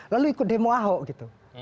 lalu ikut demo ahok gitu